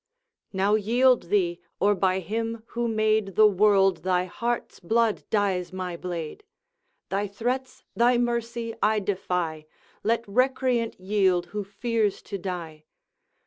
Now yield thee, or by Him who made The world, thy heart's blood dyes my blade!; 'Thy threats, thy mercy, I defy! Let recreant yield, who fears to die.'